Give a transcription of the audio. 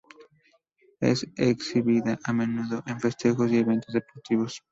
Es exhibida a menudo en festejos y eventos deportivos.